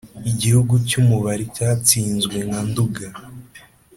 igihugu cy'u mubari cyatsinzwe nka nduga,